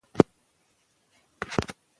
د ورځې لخوا خوراک د شپې په پرتله ګټور دی.